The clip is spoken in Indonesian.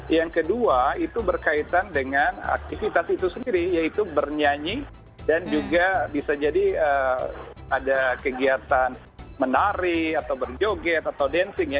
yang kedua itu berkaitan dengan aktivitas itu sendiri yaitu bernyanyi dan juga bisa jadi ada kegiatan menari atau berjoget atau dancing ya